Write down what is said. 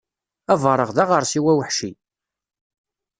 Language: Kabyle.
Abareɣ d aɣersiw aweḥci.